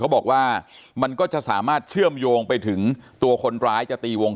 บอกว่ามันก็จะสามารถเชื่อมโยงไปถึงตัวคนร้ายจะตีวง